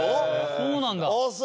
そうなんだ。